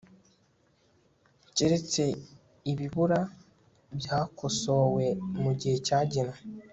keretse ibibura byakosowe mu gihe cyagenwe